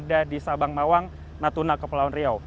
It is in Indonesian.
dan di kepulauan natuna dan kepulauan riau